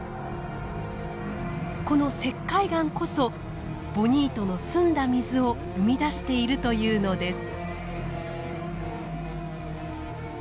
この石灰岩こそボニートの澄んだ水を生み出しているというのです。